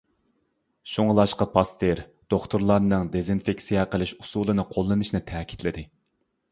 شۇڭلاشقا پاستېر دوختۇرلارنىڭ دېزىنفېكسىيە قىلىش ئۇسۇلىنى قوللىنىشنى تەكىتلىدى.